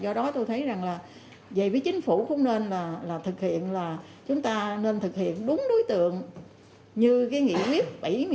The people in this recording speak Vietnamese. do đó tôi thấy rằng là về với chính phủ cũng nên là thực hiện là chúng ta nên thực hiện đúng đối tượng như cái nghị quyết bảy mươi sáu